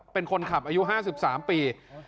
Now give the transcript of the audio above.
เป็นคนขับอายุ๕๓ปี